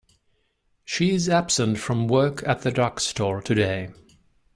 She is absent from work at the drug store today.